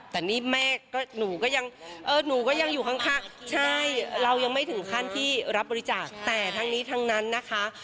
แต่นี่แม่ก็หนูก็ยังหนูก็ยังอยู่ข้างใช่เรายังไม่ถึงขั้นที่รับบริจาคแต่ทั้งนี้ทั้งนั้นนะคะ